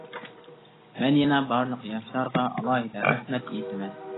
مەن يەنە بارلىق ياشلارغا ئالاھىدە رەھمەت ئېيتىمەن.